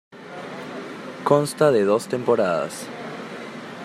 Consta de dos temporadas.